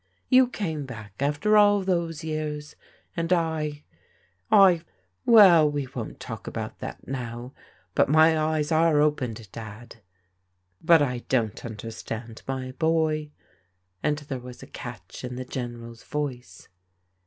You came back after all those years, and I — I — ^well, we won't talk about that now ; but my eyes are opened. Dad." " But I don't understand, my boy," and there was a catch in the General's voice.